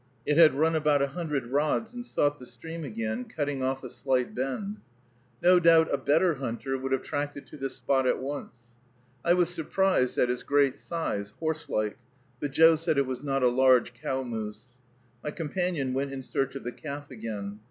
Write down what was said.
It had run about a hundred rods and sought the stream again, cutting off a slight bend. No doubt a better hunter would have tracked it to this spot at once. I was surprised at its great size, horse like, but Joe said it was not a large cow moose. My companion went in search of the calf again.